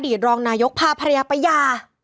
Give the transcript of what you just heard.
อดีตรองนายกพาภรรยาประหย่า